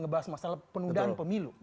ngebahas masalah penundaan pemilu